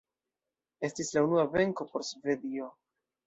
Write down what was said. Estis la unua venko por Svedio.